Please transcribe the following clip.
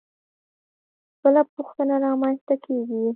بله پوښتنه رامنځته کېږي.